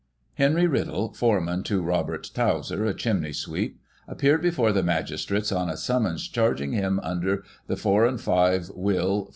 — Henry Riddle, foreman to Robert Towser, a chimney sweep, appeared before the magis trates on a summons charging him under the 4 & 5 Wil.